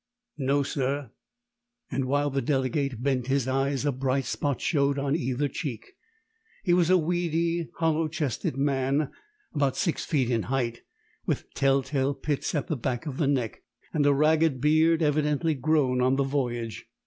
"No, sir;" and while the delegate bent his eyes a bright spot showed on either cheek. He was a weedy, hollow chested man, about six feet in height, with tell tale pits at the back of the neck, and a ragged beard evidently grown on the voyage.